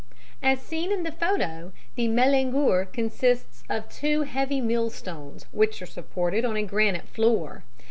As is seen in the photo, the mélangeur consists of two heavy mill stones which are supported on a granite floor.